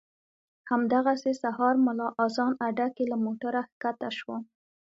همدغسې سهار ملا اذان اډه کې له موټره ښکته شوم.